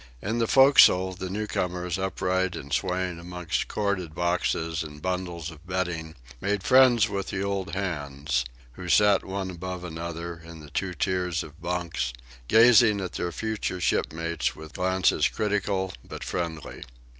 In the forecastle the newcomers, upright and swaying amongst corded boxes and bundles of bedding, made friends with the old hands, who sat one above another in the two tiers of bunks, gazing at their future shipmates with glances critical but friendly.